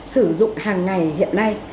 sử dụng hàng ngày hiện nay